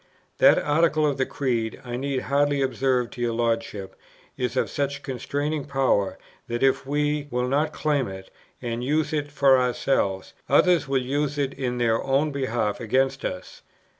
That Article of the Creed, I need hardly observe to your Lordship, is of such constraining power, that, if we will not claim it, and use it for ourselves, others will use it in their own behalf against us.